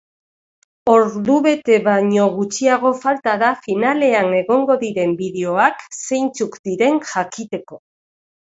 Ordu bete baino gutxiago falta da finalean egongo diren bideoak zeintzuk diren jakiteko!